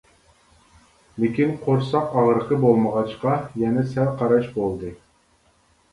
لېكىن قورساق ئاغرىقى بولمىغاچقا يەنە سەل قاراش بولدى.